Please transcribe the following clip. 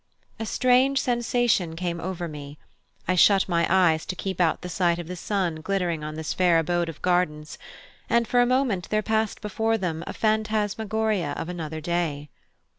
A strange sensation came over me; I shut my eyes to keep out the sight of the sun glittering on this fair abode of gardens, and for a moment there passed before them a phantasmagoria of another day.